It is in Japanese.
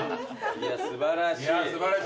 いや素晴らしい。